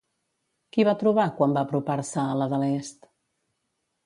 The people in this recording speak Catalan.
Qui va trobar quan va apropar-se a la de l'est?